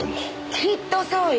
きっとそうよ！